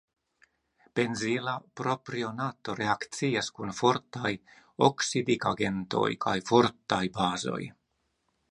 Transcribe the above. Benzila propionato reakcias kun fortaj oksidigagentoj kaj fortaj bazoj.